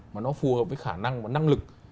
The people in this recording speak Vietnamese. mà nó phù hợp với khả năng và năng lực